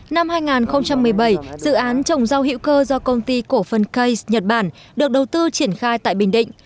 năm hai nghìn một mươi bảy dự án trồng rau hữu cơ do công ty cổ phần kai nhật bản được đầu tư triển khai tại bình định